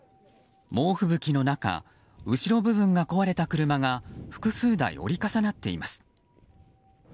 猛吹雪の中後ろ部分が壊れた車が複数台、折り重なっています。